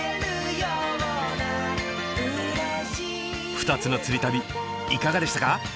２つの釣り旅いかがでしたか？